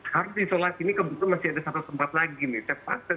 harusnya isolasi ini kebetulan masih ada satu tempat lagi nih